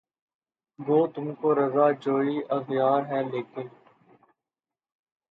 گو تم کو رضا جوئیِ اغیار ہے لیکن